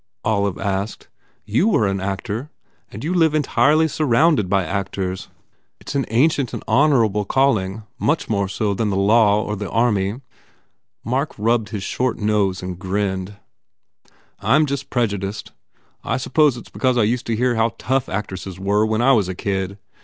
Olive asked, "You were an actor. You live entirely surrounded by actors. It s an 182 TODGERS INTRUDES ancient and honourable calling much more so than the law or the army." Mark rubbed his short nose and grinned. "I m just prejudiced. I suppose it s because I used to hear how tough actresses were when I was a kid.